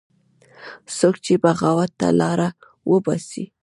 څوک چې بغاوت ته لاره وباسي